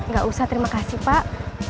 gak usah terima kasih pak